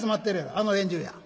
あの連中や。